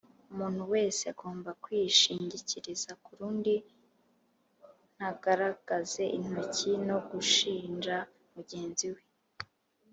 umuntu wese agomba kwishingikiriza ku rundi, ntagaragaze intoki no gushinja mugenzi we.